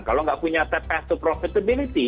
kalau enggak punya path to profitability